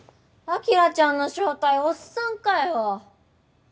晶ちゃんの正体おっさんかよ。